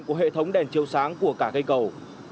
của hệ thống đèn chiếu sáng của cả cây cầu